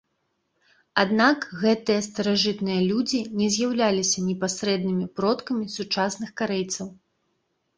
Аднак гэтыя старажытныя людзі не з'яўляліся непасрэднымі продкамі сучасных карэйцаў.